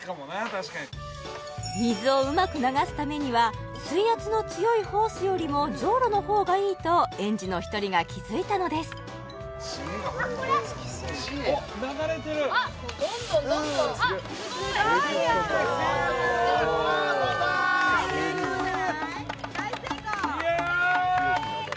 確かに水をうまく流すためには水圧の強いホースよりもジョウロの方がいいと園児の１人が気づいたのです・あっどんどんどんどん・あっすごい大成功イエーッ！